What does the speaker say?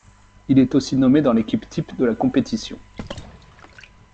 Il est aussi nommé dans l'équipe type de la compétition.